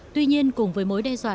tuy nhiên cùng với mối đe dọa